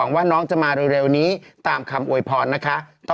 น้ำชาชีวนัทครับผมโพสต์ขอโทษทำเข้าใจผิดหวังคำเวพรเป็นจริงนะครับ